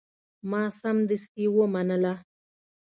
ما سمدستي ومنله.